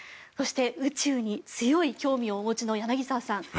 そして宇宙に強い興味をお持ちの柳澤さん